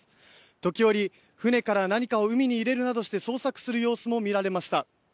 時折、船から何かを海に入れるなどして捜索する様子も見られました。